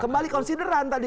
kembali konsideran tadi